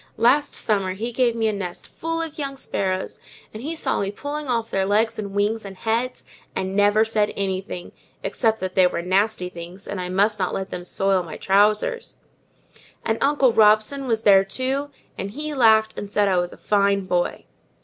Last summer, he gave me a nest full of young sparrows, and he saw me pulling off their legs and wings, and heads, and never said anything; except that they were nasty things, and I must not let them soil my trousers: and Uncle Robson was there too, and he laughed, and said I was a fine boy."